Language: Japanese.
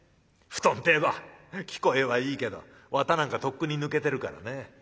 布団って言えば聞こえはいいけど綿なんかとっくに抜けてるからね。